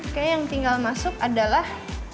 kayaknya yang tinggal masuk adalah